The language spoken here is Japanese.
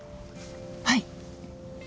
はい。